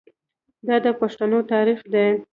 دا د پښتنو تاریخ دی.